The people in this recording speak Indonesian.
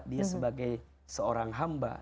dia sebagai seorang hamba